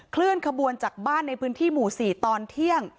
เคลื่อนขบวนจากบ้านในพื้นที่หมู่๔ตอนเที่ยง